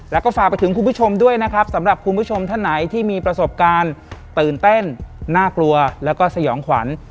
แล้วก็ฝากไปถึงคุณผู้ชมด้วยนะครับสำหรับคุณผู้ชมท่านไหนที่มีประสบการณ์ตื่นเต้นน่ากลัวแล้วก็สยองขวัญ